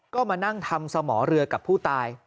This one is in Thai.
ก็มานั่งทำสมอเรือกับผู้ตาย